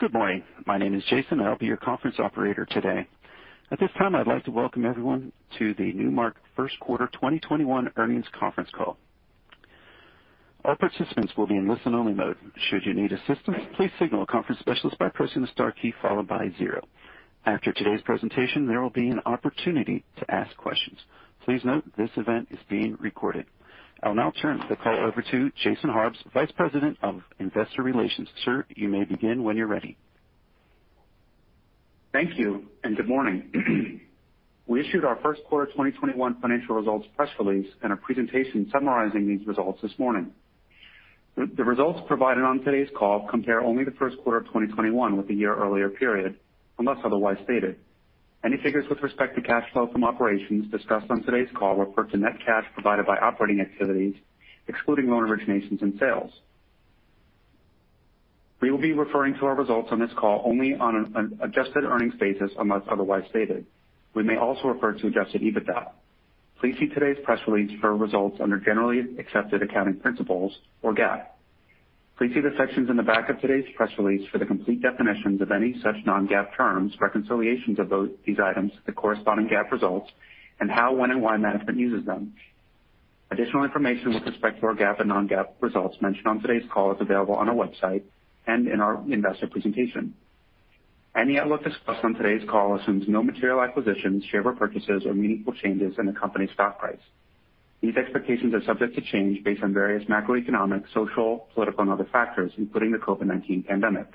Good morning. My name is Jason, and I'll be your conference operator today. At this time, I'd like to welcome everyone to the Newmark first quarter 2021 earnings conference call. All participants will be in listen only mode. Should you need assistance, please signal a conference specialist by pressing the star key followed by zero. After today's presentation, there will be an opportunity to ask questions. Please note this event is being recorded. I'll now turn the call over to Jason McGruder, Vice President of Investor Relations. Sir, you may begin when you're ready. Thank you, and good morning. We issued our first quarter 2021 financial results press release and a presentation summarizing these results this morning. The results provided on today's call compare only the first quarter of 2021 with the year earlier period, unless otherwise stated. Any figures with respect to cash flow from operations discussed on today's call refer to net cash provided by operating activities, excluding loan originations and sales. We will be referring to our results on this call only on an adjusted earnings basis unless otherwise stated. We may also refer to adjusted EBITDA. Please see today's press release for results under generally accepted accounting principles, or GAAP. Please see the sections in the back of today's press release for the complete definitions of any such non-GAAP terms, reconciliations of both these items, the corresponding GAAP results, and how, when, and why management uses them. Additional information with respect to our GAAP and non-GAAP results mentioned on today's call is available on our website and in our investor presentation. Any outlook discussed on today's call assumes no material acquisitions, share repurchases or meaningful changes in the company's stock price. These expectations are subject to change based on various macroeconomic, social, political, and other factors, including the COVID-19 pandemic.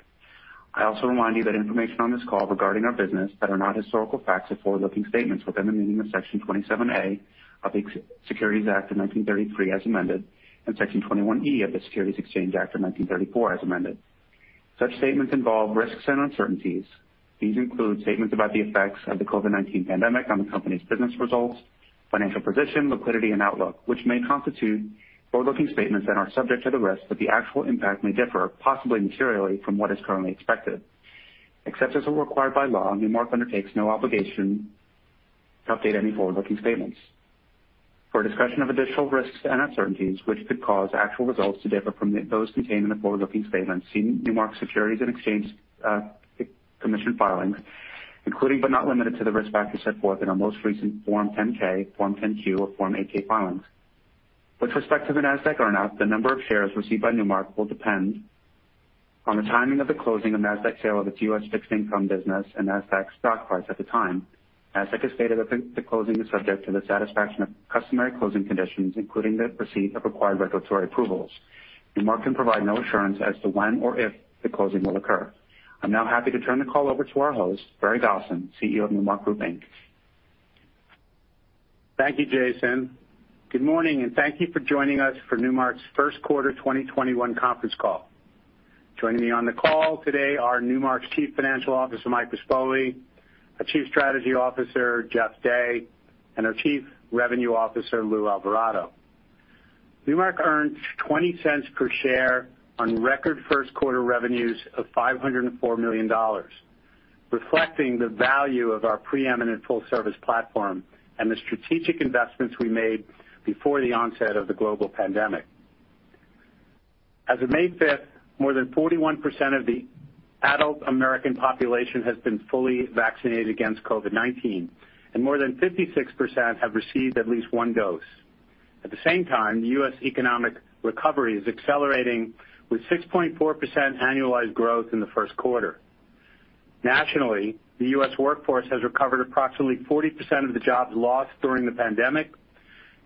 I also remind you that information on this call regarding our business that are not historical facts are forward-looking statements within the meaning of Section 27A of the Securities Act of 1933 as amended, and Section 21E of the Securities Exchange Act of 1934 as amended. Such statements involve risks and uncertainties. These include statements about the effects of the COVID-19 pandemic on the company's business results, financial position, liquidity, and outlook, which may constitute forward-looking statements and are subject to the risk that the actual impact may differ, possibly materially, from what is currently expected. Except as are required by law, Newmark undertakes no obligation to update any forward-looking statements. For a discussion of additional risks and uncertainties which could cause actual results to differ from those contained in the forward-looking statements, see Newmark's Securities and Exchange Commission filings, including but not limited to the risk factors set forth in our most recent Form 10-K, Form 10-Q or Form 8-K filings. With respect to the Nasdaq earn-out, the number of shares received by Newmark will depend on the timing of the closing of Nasdaq sale of its U.S. fixed income business and Nasdaq stock price at the time. Nasdaq has stated that the closing is subject to the satisfaction of customary closing conditions, including the receipt of required regulatory approvals. Newmark can provide no assurance as to when or if the closing will occur. I'm now happy to turn the call over to our host, Barry Gosin, CEO of Newmark Group, Inc. Thank you, Jason. Good morning, and thank you for joining us for Newmark's first quarter 2021 conference call. Joining me on the call today are Newmark's Chief Financial Officer, Mike Rispoli, our Chief Strategy Officer, Jeff Day, and our Chief Revenue Officer, Luis Alvarado. Newmark earned $0.20 per share on record first quarter revenues of $504 million, reflecting the value of our preeminent full service platform and the strategic investments we made before the onset of the global pandemic. As of May 5th, more than 41% of the adult American population has been fully vaccinated against COVID-19, and more than 56% have received at least one dose. At the same time, the U.S. economic recovery is accelerating with 6.4% annualized growth in the first quarter. Nationally, the U.S. workforce has recovered approximately 40% of the jobs lost during the pandemic,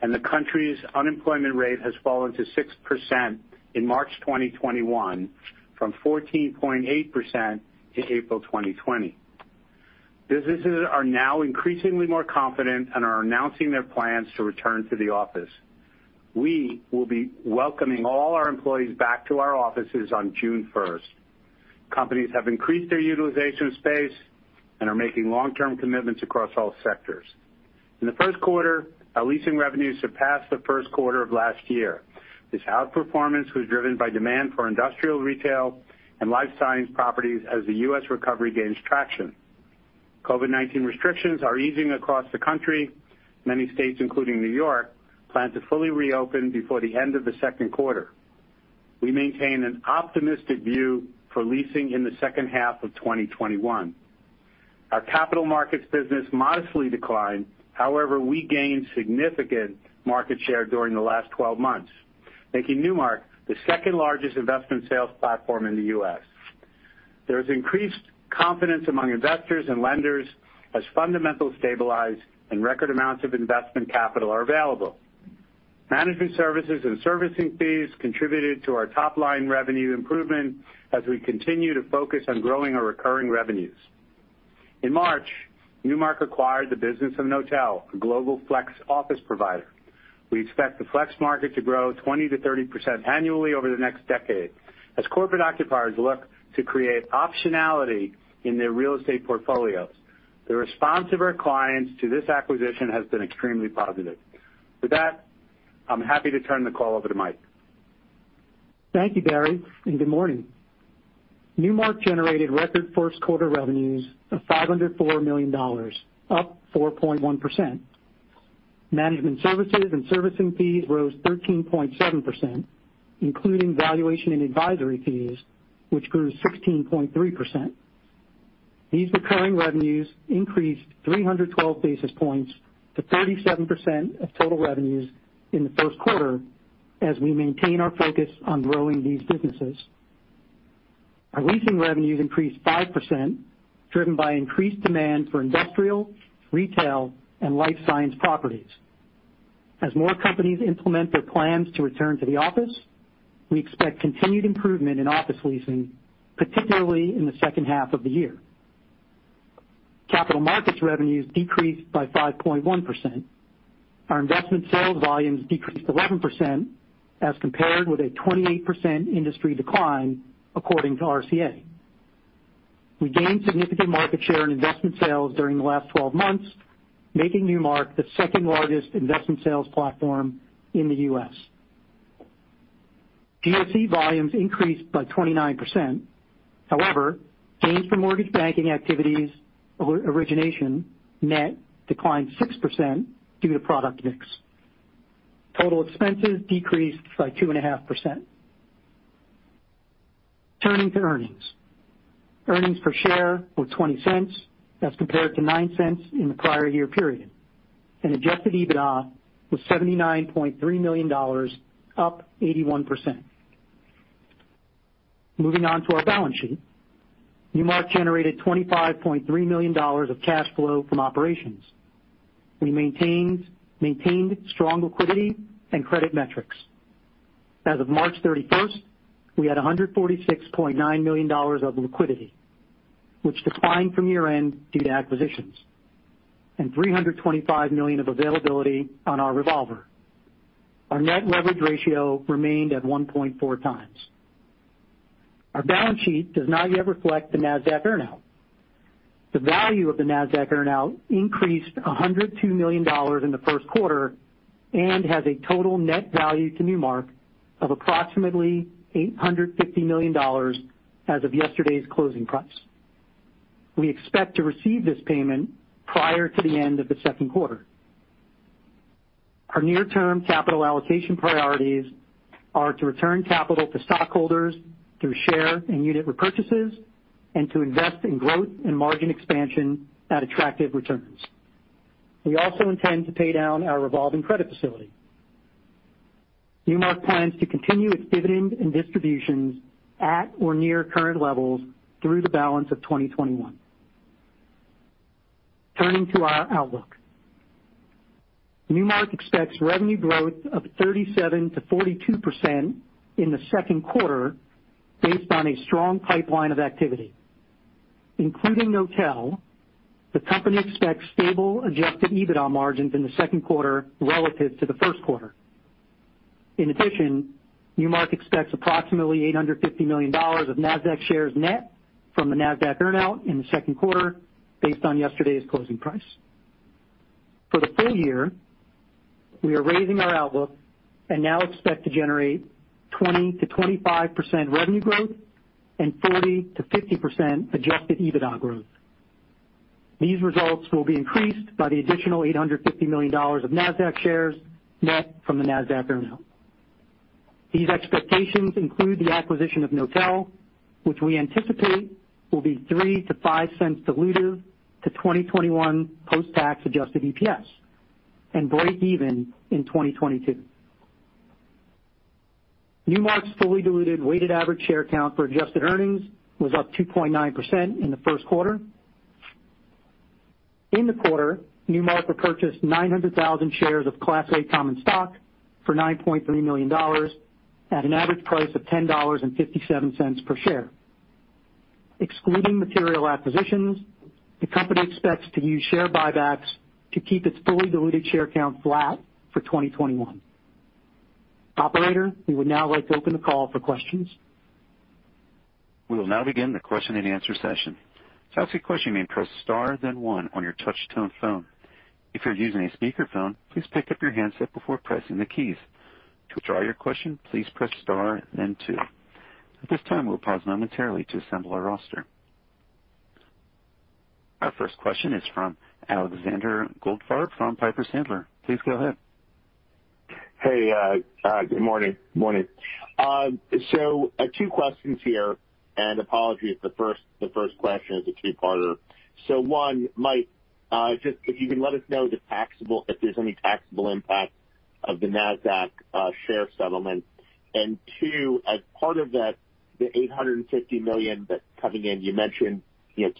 and the country's unemployment rate has fallen to 6% in March 2021 from 14.8% in April 2020. Businesses are now increasingly more confident and are announcing their plans to return to the office. We will be welcoming all our employees back to our offices on June 1st. Companies have increased their utilization space and are making long-term commitments across all sectors. In the first quarter, our leasing revenues surpassed the first quarter of last year. This outperformance was driven by demand for industrial retail and life science properties as the U.S. recovery gains traction. COVID-19 restrictions are easing across the country. Many states, including New York, plan to fully reopen before the end of the second quarter. We maintain an optimistic view for leasing in the second half of 2021. Our capital markets business modestly declined. However, we gained significant market share during the last 12 months, making Newmark the second largest investment sales platform in the U.S. There is increased confidence among investors and lenders as fundamentals stabilize and record amounts of investment capital are available. Management services and servicing fees contributed to our top-line revenue improvement as we continue to focus on growing our recurring revenues. In March, Newmark acquired the business of Knotel, a global flex office provider. We expect the flex market to grow 20%-30% annually over the next decade as corporate occupiers look to create optionality in their real estate portfolios. The response of our clients to this acquisition has been extremely positive. With that, I'm happy to turn the call over to Mike. Thank you, Barry, and good morning. Newmark generated record first quarter revenues of $504 million, up 4.1%. Management services and servicing fees rose 13.7%, including valuation and advisory fees, which grew 16.3%. These recurring revenues increased 312 basis points to 37% of total revenues in the first quarter, as we maintain our focus on growing these businesses. Our leasing revenues increased 5%, driven by increased demand for industrial, retail, and life science properties. As more companies implement their plans to return to the office, we expect continued improvement in office leasing, particularly in the second half of the year. Capital markets revenues decreased by 5.1%. Our investment sales volumes decreased 11% as compared with a 28% industry decline, according to RCA. We gained significant market share in investment sales during the last 12 months, making Newmark the second-largest investment sales platform in the U.S. GSE volumes increased by 29%. However, gains from mortgage banking activities origination net declined 6% due to product mix. Total expenses decreased by 2.5%. Turning to earnings. Earnings per share were $0.20 as compared to $0.09 in the prior year period. Adjusted EBITDA was $79.3 million, up 81%. Moving on to our balance sheet. Newmark generated $25.3 million of cash flow from operations. We maintained strong liquidity and credit metrics. As of March 31st, we had $146.9 million of liquidity, which declined from year-end due to acquisitions, and $325 million of availability on our revolver. Our net leverage ratio remained at 1.4x. Our balance sheet does not yet reflect the Nasdaq earn-out. The value of the Nasdaq earn-out increased $102 million in the first quarter and has a total net value to Newmark of approximately $850 million as of yesterday's closing price. We expect to receive this payment prior to the end of the second quarter. Our near-term capital allocation priorities are to return capital to stockholders through share and unit repurchases and to invest in growth and margin expansion at attractive returns. We also intend to pay down our revolving credit facility. Newmark plans to continue its dividend and distributions at or near current levels through the balance of 2021. Turning to our outlook. Newmark expects revenue growth of 37%-42% in the second quarter based on a strong pipeline of activity. Including Knotel, the company expects stable adjusted EBITDA margins in the second quarter relative to the first quarter. Newmark expects approximately $850 million of Nasdaq shares net from the Nasdaq earn-out in the second quarter, based on yesterday's closing price. For the full year, we are raising our outlook and now expect to generate 20%-25% revenue growth and 40%-50% adjusted EBITDA growth. These results will be increased by the additional $850 million of Nasdaq shares net from the Nasdaq earn-out. These expectations include the acquisition of Knotel, which we anticipate will be $0.03-$0.05 dilutive to 2021 post-tax adjusted EPS and break even in 2022. Newmark's fully diluted weighted average share count for adjusted earnings was up 2.9% in the first quarter. In the quarter, Newmark repurchased 900,000 shares of Class A common stock for $9.3 million at an average price of $10.57 per share. Excluding material acquisitions, the company expects to use share buybacks to keep its fully diluted share count flat for 2021. Operator, we would now like to open the call for questions. We will now begin the question-and-answer session. To ask a question, you may press star, then one on your touchtone phone. If you're using a speakerphone, please pick up your handset before pressing the keys. To withdraw your question, please press star, then two. At this time, we'll pause momentarily to assemble our roster. Our first question is from Alexander Goldfarb from Piper Sandler. Please go ahead. Good morning. Two questions here, and apologies if the first question is a two-parter. One, Mike, just if you can let us know if there's any taxable impact of the Nasdaq share settlement. Two, as part of the $850 million that's coming in, you mentioned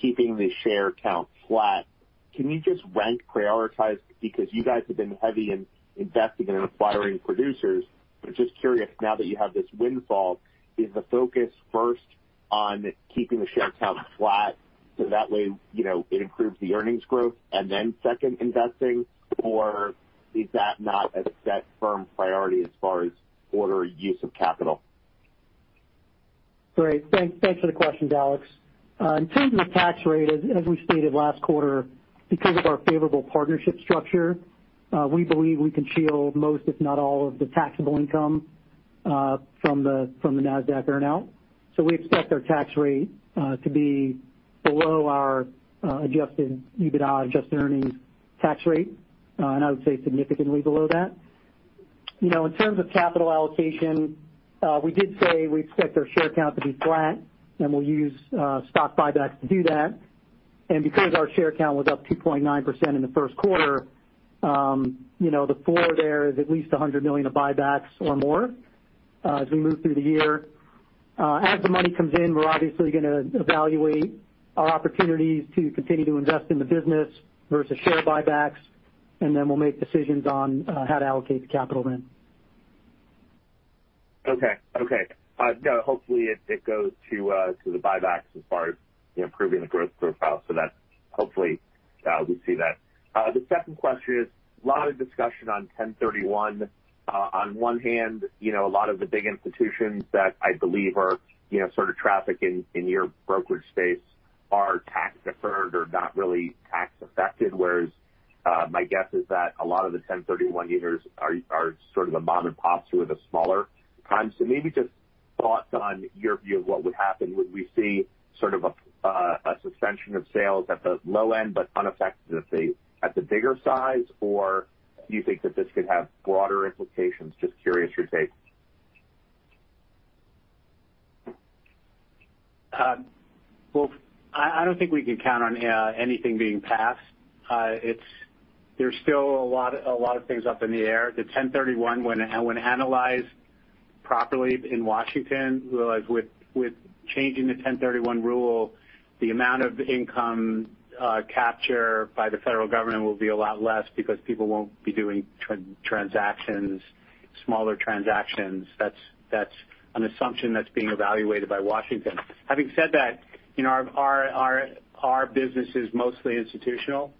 keeping the share count flat. Can you just rank prioritize, because you guys have been heavy in investing and acquiring producers. I'm just curious, now that you have this windfall, is the focus first on keeping the share count flat so that way it improves the earnings growth and then second investing, or is that not a set firm priority as far as order or use of capital? Great. Thanks for the questions, Alex. In terms of the tax rate, as we stated last quarter, because of our favorable partnership structure, we believe we can shield most, if not all, of the taxable income from the Nasdaq earn-out. We expect our tax rate to be below our adjusted EBITDA, adjusted earnings tax rate, and I would say significantly below that. In terms of capital allocation, we did say we expect our share count to be flat, and we'll use stock buybacks to do that. Because our share count was up 2.9% in the first quarter, the floor there is at least $100 million of buybacks or more as we move through the year. As the money comes in, we're obviously going to evaluate our opportunities to continue to invest in the business versus share buybacks, and then we'll make decisions on how to allocate the capital then. Okay. Hopefully, it goes to the buybacks as far as improving the growth profile. Hopefully, we see that. The second question is, a lot of discussion on 1031. On one hand, a lot of the big institutions that I believe are sort of traffic in your brokerage space are tax deferred or not really tax affected, whereas my guess is that a lot of the 1031 users are sort of the mom-and-pops who are the smaller kinds. Maybe just thoughts on your view of what would happen. Would we see sort of a suspension of sales at the low end but unaffected at the bigger size? Do you think that this could have broader implications? Just curious your take. I don't think we can count on anything being passed. There's still a lot of things up in the air. The Section 1031, when analyzed properly in Washington, realize with changing the Section 1031 rule, the amount of income capture by the federal government will be a lot less because people won't be doing transactions, smaller transactions. That's an assumption that's being evaluated by Washington. Having said that, our business is mostly institutional,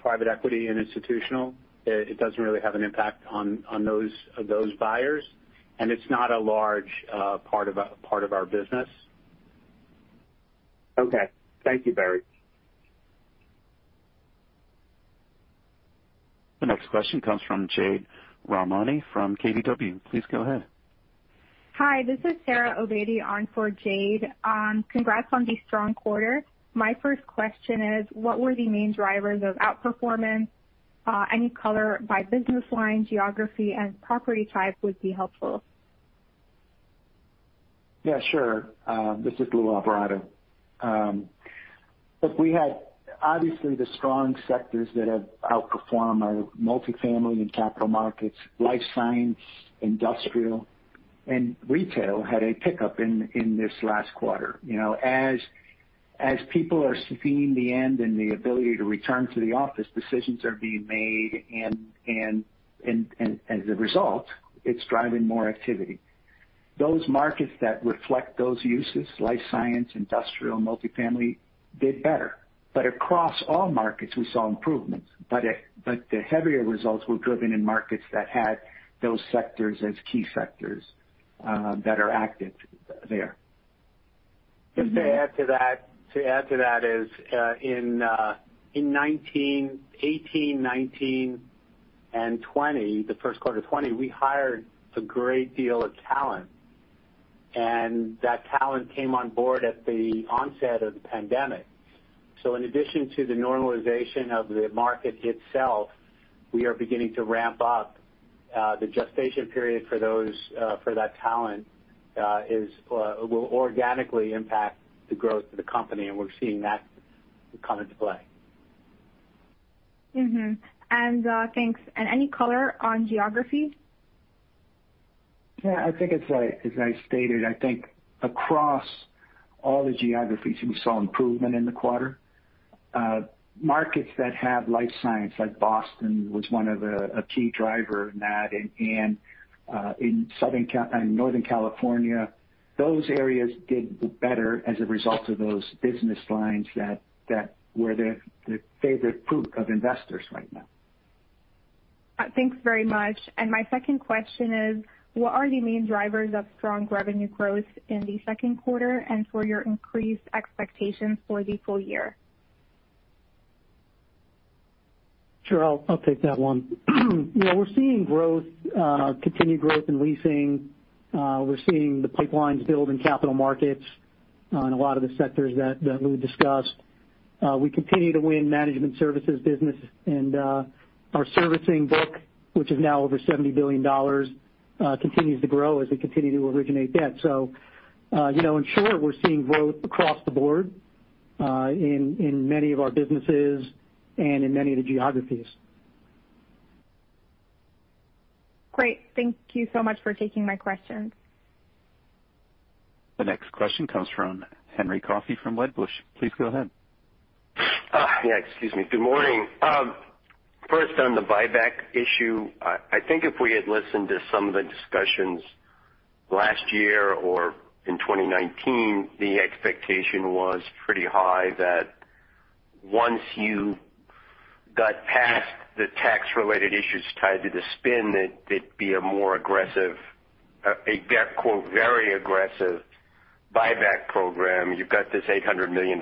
private equity and institutional. It doesn't really have an impact on those buyers, and it's not a large part of our business. Okay. Thank you, Barry. The next question comes from Jade Rahmani from KBW. Please go ahead. Hi, this is Sarah Obaidi on for Jade. Congrats on the strong quarter. My first question is, what were the main drivers of outperformance? Any color by business line, geography, and property type would be helpful. Yeah, sure. This is Luis Alvarado. Look, we had obviously the strong sectors that have outperformed are multifamily and capital markets, life science, industrial, and retail had a pickup in this last quarter. As people are seeing the end and the ability to return to the office, decisions are being made and as a result, it's driving more activity. Those markets that reflect those uses, life science, industrial, multifamily, did better. Across all markets, we saw improvements, but the heavier results were driven in markets that had those sectors as key sectors that are active there. Just to add to that is, in 2018, 2019, and 2020, the first quarter of 2020, we hired a great deal of talent, and that talent came on board at the onset of the pandemic. In addition to the normalization of the market itself, we are beginning to ramp up. The gestation period for that talent will organically impact the growth of the company, and we're seeing that come into play. Mm-hmm. Thanks. Any color on geography? Yeah, as I stated, I think across all the geographies, we saw improvement in the quarter. Markets that have life science, like Boston, was one of a key driver in that, and Northern California, those areas did better as a result of those business lines that were the favorite fruit of investors right now. Thanks very much. My second question is, what are the main drivers of strong revenue growth in the second quarter and for your increased expectations for the full year? Sure. I'll take that one. We're seeing continued growth in leasing. We're seeing the pipelines build in capital markets in a lot of the sectors that Lou discussed. We continue to win management services business and our servicing book, which is now over $70 billion, continues to grow as we continue to originate debt. In short, we're seeing growth across the board in many of our businesses and in many of the geographies. Great. Thank you so much for taking my questions. The next question comes from Henry Coffey from Wedbush. Please go ahead. Yeah. Excuse me. Good morning. First on the buyback issue, I think if we had listened to some of the discussions last year or in 2019, the expectation was pretty high that once you got past the tax-related issues tied to the spin, that it'd be a more aggressive, a quote, "very aggressive" buyback program. You've got this $800 million,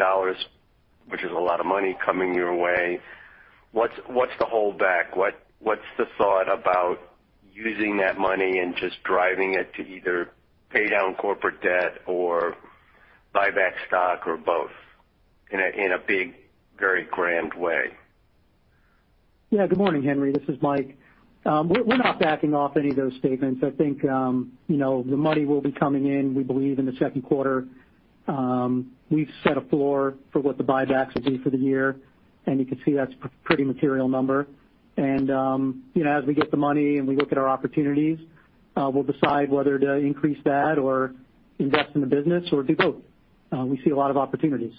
which is a lot of money coming your way. What's the holdback? What's the thought about using that money and just driving it to either pay down corporate debt or buy back stock or both in a big, very grand way? Yeah. Good morning, Henry. This is Mike. We're not backing off any of those statements. I think, the money will be coming in, we believe, in the second quarter. We've set a floor for what the buybacks will be for the year, and you can see that's a pretty material number. As we get the money and we look at our opportunities, we'll decide whether to increase that or invest in the business or do both. We see a lot of opportunities.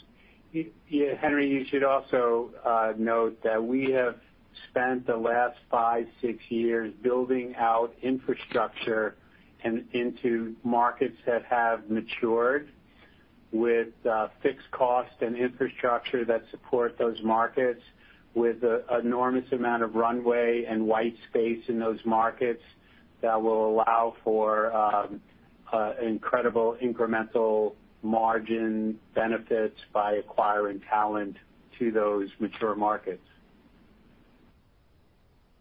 Yeah, Henry, you should also note that we have spent the last five, six years building out infrastructure and into markets that have matured with fixed cost and infrastructure that support those markets with a enormous amount of runway and white space in those markets that will allow for incredible incremental margin benefits by acquiring talent to those mature markets.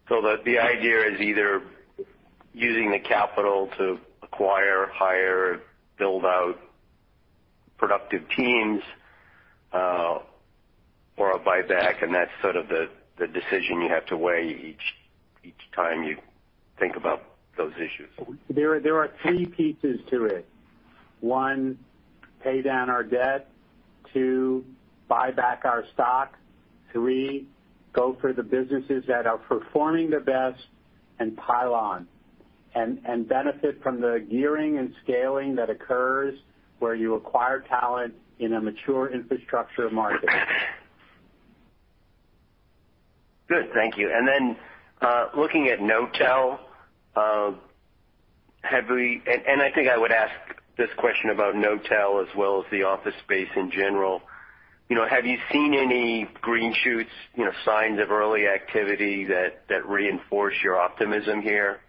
The idea is either using the capital to acquire, hire, build out productive teams, or a buyback, and that's sort of the decision you have to weigh each time you think about those issues. There are three pieces to it. One, pay down our debt. Two, buy back our stock. Three, go for the businesses that are performing the best and pile on, and benefit from the gearing and scaling that occurs where you acquire talent in a mature infrastructure market. Good. Thank you. Looking at Knotel, I think I would ask this question about Knotel as well as the office space in general. Have you seen any green shoots, signs of early activity that reinforce your optimism here?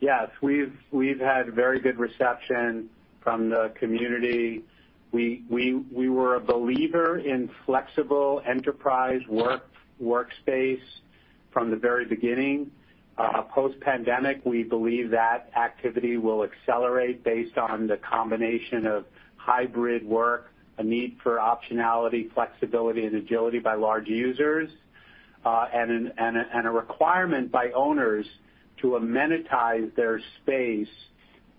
Yes. We've had very good reception from the community. We were a believer in flexible enterprise workspace from the very beginning. Post-pandemic, we believe that activity will accelerate based on the combination of hybrid work, a need for optionality, flexibility, and agility by large users, and a requirement by owners to amenitize their space,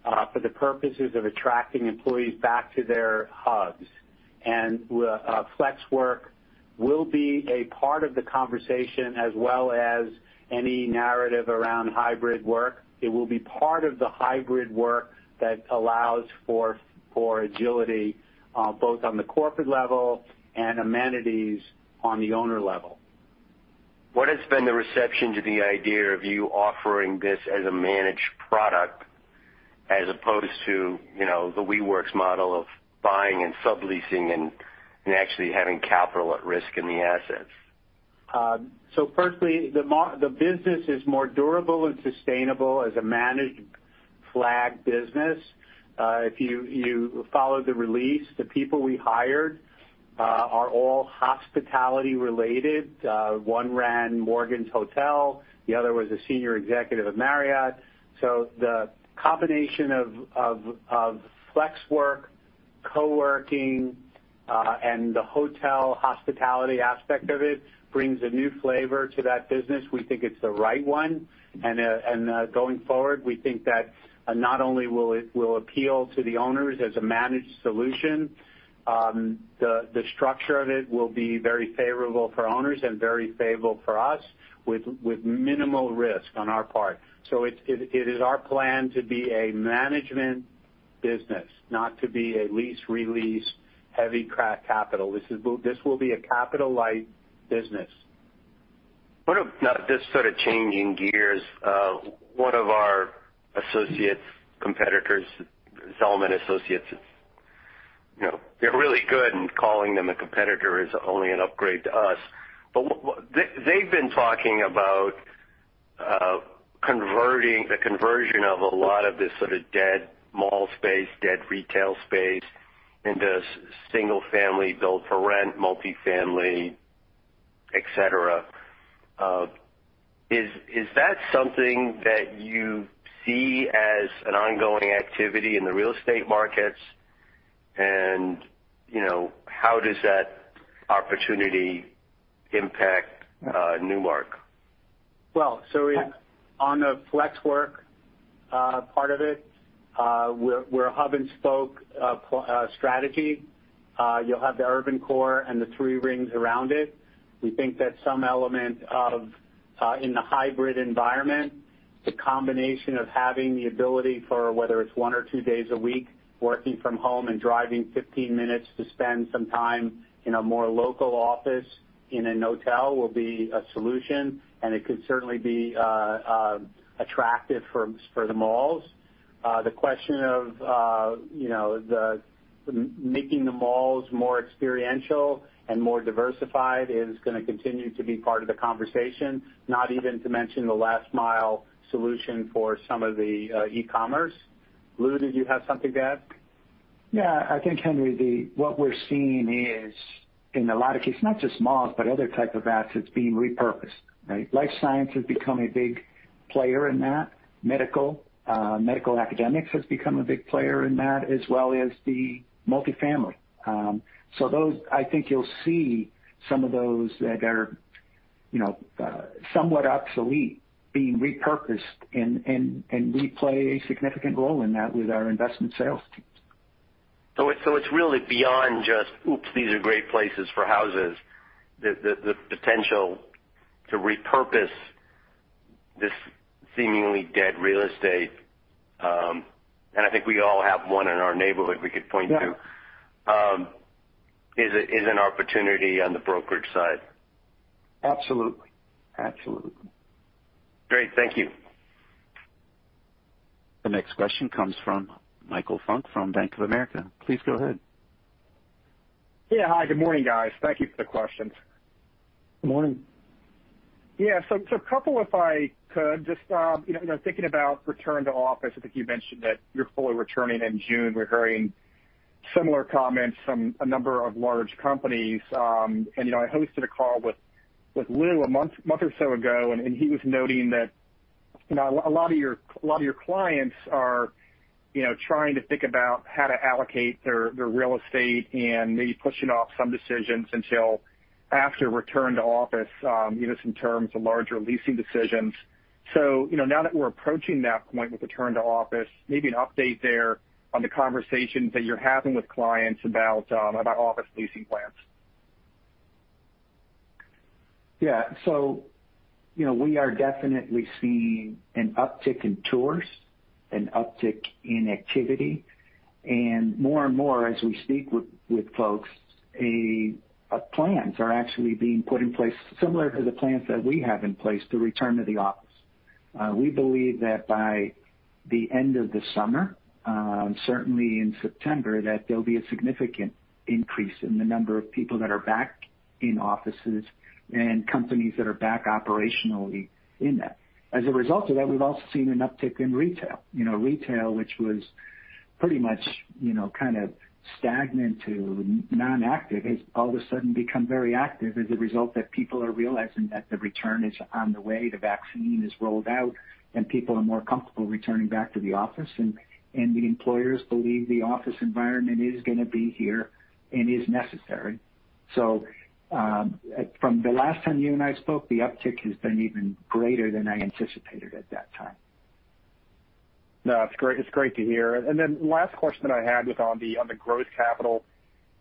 for the purposes of attracting employees back to their hubs. Flexwork will be a part of the conversation as well as any narrative around hybrid work. It will be part of the hybrid work that allows for agility, both on the corporate level and amenities on the owner level. What has been the reception to the idea of you offering this as a managed product as opposed to the WeWork's model of buying and subleasing and actually having capital at risk in the assets? Firstly, the business is more durable and sustainable as a managed flag business. If you followed the release, the people we hired are all hospitality related. One ran Morgans Hotel, the other was a senior executive at Marriott. The combination of flex work, co-working, and the hotel hospitality aspect of it brings a new flavor to that business. We think it's the right one, and going forward, we think that not only will it appeal to the owners as a managed solution, the structure of it will be very favorable for owners and very favorable for us with minimal risk on our part. It is our plan to be a management business, not to be a lease-release heavy capital. This will be a capital light business. Just sort of changing gears. One of our associates, competitors, Zelman & Associates, they're really good, and calling them a competitor is only an upgrade to us. They've been talking about the conversion of a lot of this sort of dead mall space, dead retail space into single-family build for rent, multi-family, etc. Is that something that you see as an ongoing activity in the real estate markets? And how does that opportunity impact Newmark? Well, on the flex work part of it, we're a hub-and-spoke strategy. You'll have the urban core and the three rings around it. We think that some element of, in the hybrid environment, the combination of having the ability for, whether it's one or two days a week, working from home and driving 15 minutes to spend some time in a more local office in a Knotel will be a solution, and it could certainly be attractive for the malls. The question of making the malls more experiential and more diversified is going to continue to be part of the conversation. Not even to mention the last mile solution for some of the e-commerce. Lou, did you have something to add? Yeah, I think, Henry, what we're seeing is, in a lot of cases, not just malls, but other type of assets being repurposed, right? Life science has become a big player in that. Medical academics has become a big player in that, as well as the multifamily. Those, I think you'll see some of those that are somewhat obsolete, being repurposed, and we play a significant role in that with our investment sales teams. It's really beyond just, oops, these are great places for houses. The potential to repurpose this seemingly dead real estate. I think we all have one in our neighborhood we could point to. Yeah is an opportunity on the brokerage side. Absolutely. Great. Thank you. The next question comes from Michael Funk from Bank of America. Please go ahead. Yeah. Hi, good morning, guys. Thank you for the questions. Good morning. Yeah. A couple, if I could. Just thinking about return to office, I think you mentioned that you're fully returning in June. We're hearing similar comments from a number of large companies. I hosted a call with Lou a month or so ago, and he was noting that a lot of your clients are trying to think about how to allocate their real estate and maybe pushing off some decisions until after return to office, even some terms of larger leasing decisions. Now that we're approaching that point with return to office, maybe an update there on the conversations that you're having with clients about office leasing plans. We are definitely seeing an uptick in tours, an uptick in activity, and more and more as we speak with folks, plans are actually being put in place, similar to the plans that we have in place to return to the office. We believe that by the end of the summer, certainly in September, that there'll be a significant increase in the number of people that are back in offices and companies that are back operationally in that. As a result of that, we've also seen an uptick in retail. Retail, which was pretty much kind of stagnant to non-active, has all of a sudden become very active as a result that people are realizing that the return is on the way, the vaccine is rolled out, and people are more comfortable returning back to the office, and the employers believe the office environment is going to be here and is necessary. From the last time you and I spoke, the uptick has been even greater than I anticipated at that time. No, it's great to hear. Last question I had was on the growth capital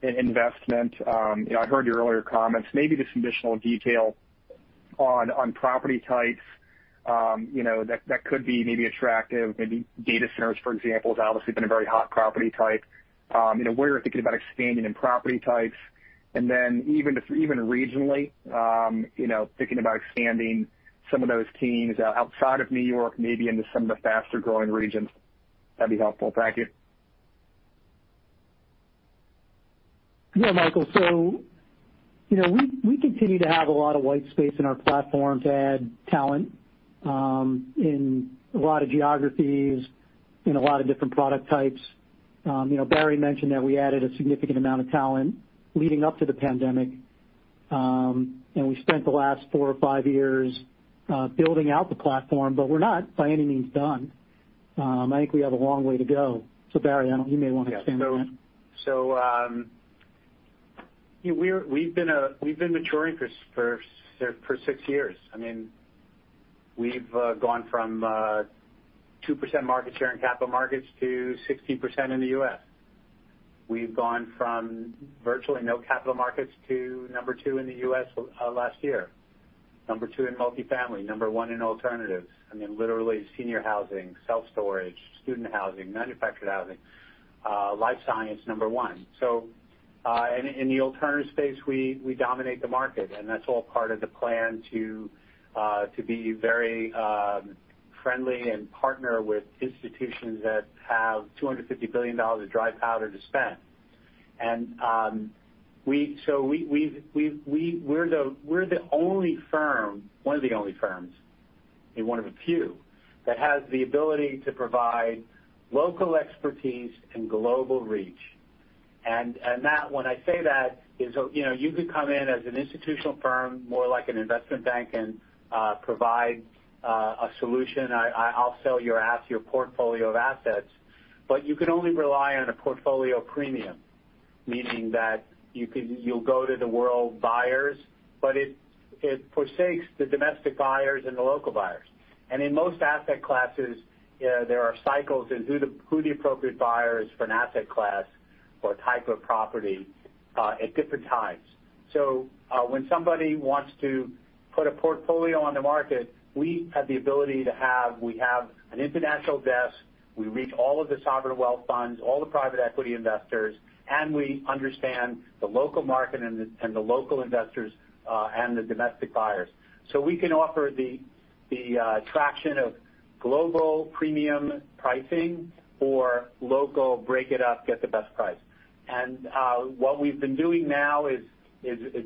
investment. I heard your earlier comments, maybe just some additional detail on property types that could be maybe attractive. Maybe data centers, for example, has obviously been a very hot property type. Where you're thinking about expanding in property types, even regionally, thinking about expanding some of those teams outside of New York, maybe into some of the faster-growing regions. That'd be helpful. Thank you. Yeah, Michael. We continue to have a lot of white space in our platform to add talent in a lot of geographies, in a lot of different product types. Barry mentioned that we added a significant amount of talent leading up to the pandemic. We spent the last four or five years building out the platform, but we're not, by any means, done. I think we have a long way to go. Barry, you may want to expand on that. Yeah. We've been maturing for six years. We've gone from 2% market share in capital markets to 16% in the U.S. We've gone from virtually no capital markets to number two in the U.S. last year. Number two in multifamily, number one in alternatives. Literally senior housing, self-storage, student housing, manufactured housing, life science, number one. In the alternative space, we dominate the market, and that's all part of the plan to be very friendly and partner with institutions that have $250 billion of dry powder to spend. We're the only firm, one of the only firms, maybe one of a few, that has the ability to provide local expertise and global reach. When I say that is, you could come in as an institutional firm, more like an investment bank, and provide a solution. I'll sell your portfolio of assets, but you can only rely on a portfolio premium, meaning that you'll go to the world buyers, but it forsakes the domestic buyers and the local buyers. In most asset classes, there are cycles in who the appropriate buyer is for an asset class or type of property at different times. When somebody wants to put a portfolio on the market, we have the ability to have an international desk, we reach all of the sovereign wealth funds, all the private equity investors, and we understand the local market and the local investors, and the domestic buyers. We can offer the attraction of global premium pricing or local break it up, get the best price. What we've been doing now is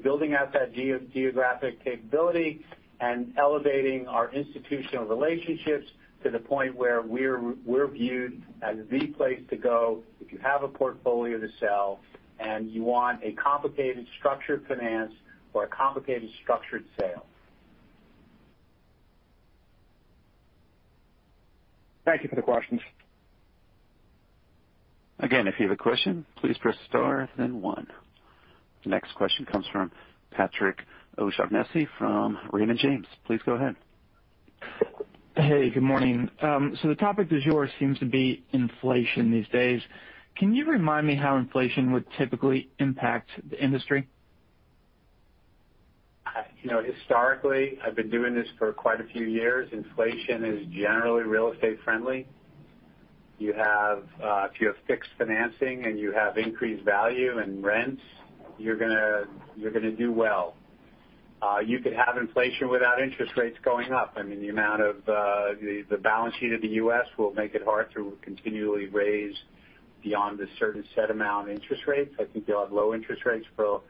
building out that geographic capability and elevating our institutional relationships to the point where we're viewed as the place to go if you have a portfolio to sell and you want a complicated structured finance or a complicated structured sale. Thank you for the questions. Again if you have a question please press star then one. The next question comes from Patrick O'Shaughnessy from Raymond James. Please go ahead. Hey, good morning. The topic du jour seems to be inflation these days. Can you remind me how inflation would typically impact the industry? Historically, I've been doing this for quite a few years. Inflation is generally real estate friendly. If you have fixed financing and you have increased value and rents, you're going to do well. You could have inflation without interest rates going up. I mean, the amount of the balance sheet of the U.S. will make it hard to continually raise beyond a certain set amount interest rates. I think you'll have low interest rates for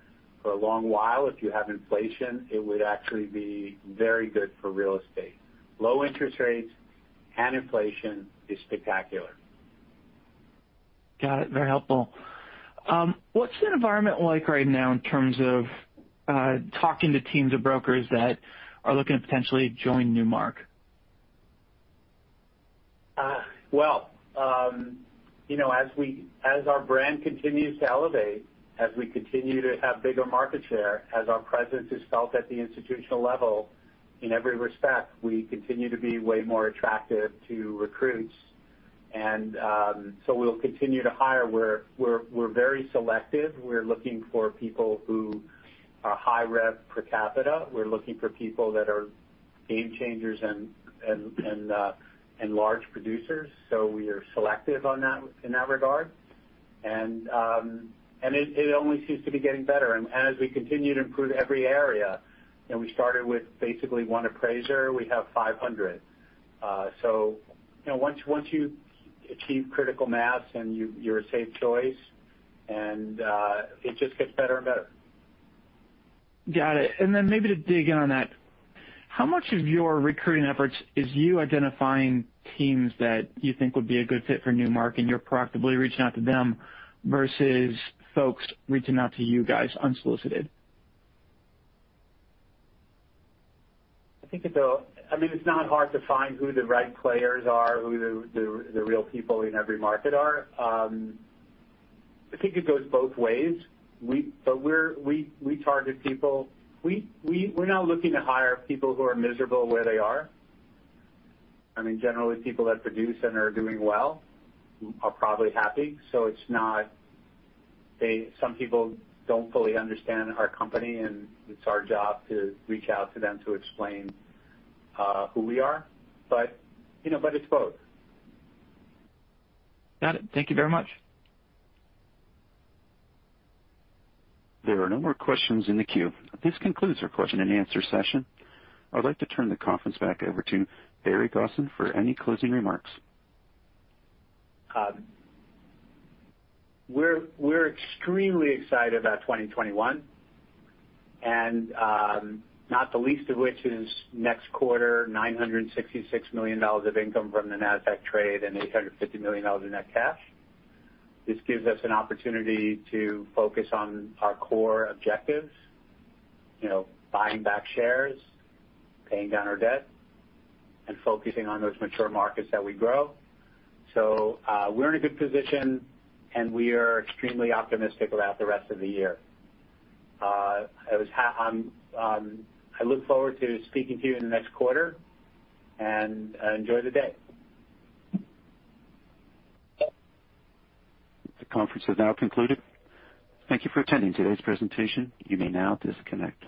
a long while. If you have inflation, it would actually be very good for real estate. Low interest rates and inflation is spectacular. Got it. Very helpful. What's the environment like right now in terms of talking to teams of brokers that are looking to potentially join Newmark? Well, as our brand continues to elevate, as we continue to have bigger market share, as our presence is felt at the institutional level in every respect, we continue to be way more attractive to recruits. We'll continue to hire. We're very selective. We're looking for people who are high revenue per capita. We're looking for people that are game changers and large producers. We are selective in that regard. It only seems to be getting better as we continue to improve every area. We started with basically one appraiser. We have 500. Once you achieve critical mass and you're a safe choice, it just gets better and better. Got it. Maybe to dig in on that, how much of your recruiting efforts is you identifying teams that you think would be a good fit for Newmark, and you're proactively reaching out to them versus folks reaching out to you guys unsolicited? I mean, it's not hard to find who the right players are, who the real people in every market are. I think it goes both ways, but we target people. We're not looking to hire people who are miserable where they are. I mean, generally, people that produce and are doing well are probably happy. Some people don't fully understand our company, and it's our job to reach out to them to explain who we are. It's both. Got it. Thank you very much. There are no more questions in the queue. This concludes our question-and-answer session. I'd like to turn the conference back over to Barry Gosin for any closing remarks. We're extremely excited about 2021, not the least of which is next quarter, $966 million of income from the Nasdaq trade and $850 million in net cash. This gives us an opportunity to focus on our core objectives. Buying back shares, paying down our debt, and focusing on those mature markets that we grow. We're in a good position, and we are extremely optimistic about the rest of the year. I look forward to speaking to you in the next quarter, and enjoy the day. The conference has now concluded. Thank you for attending today's presentation. You may now disconnect.